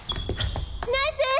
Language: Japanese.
ナイス！